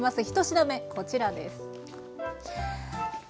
１品目こちらです。